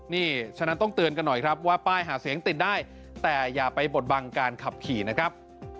นี่ฉะนั้นต้องเตือนกันหน่อยครับว่าป้ายหาเสียงติดได้แต่อย่าไปบดบังการขับขี่นะครับ